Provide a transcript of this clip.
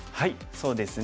そうですね。